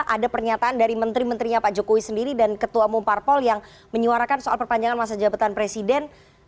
ada pernyataan dari menteri menterinya pak jokowi sendiri dan ketua umum parpol yang menyuarakan soal perpanjangan masa jabatan presiden